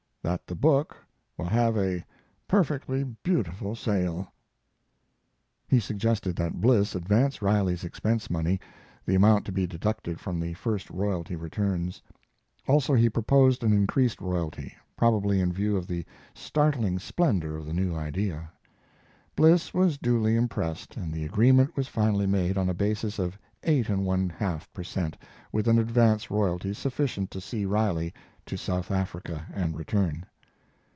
that the book will have a perfectly beautiful sale. He suggested that Bliss advance Riley's expense money, the amount to be deducted from the first royalty returns; also he proposed an increased royalty, probably in view of the startling splendor of the new idea. Bliss was duly impressed, and the agreement was finally made on a basis of eight and one half per cent., with an advance of royalty sufficient to see Riley to South Africa and return.